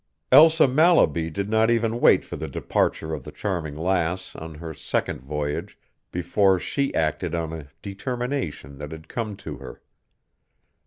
Elsa Mallaby did not even wait for the departure of the Charming Lass on her second voyage before she acted on a determination that had come to her.